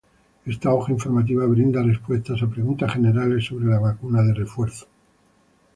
Esta hoja informativa brinda respuestas a preguntas generales sobre la vacuna de refuerzo que